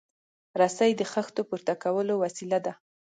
رسۍ د خښتو پورته کولو وسیله ده.